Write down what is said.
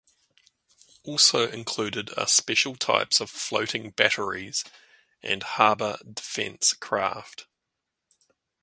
Also included are special types of floating batteries and harbor defense craft.